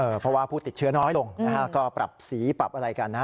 เพราะว่าผู้ติดเชื้อน้อยลงนะฮะก็ปรับสีปรับอะไรกันนะฮะ